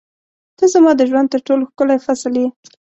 • ته زما د ژوند تر ټولو ښکلی فصل یې.